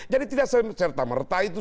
jadi tidak serta merta itu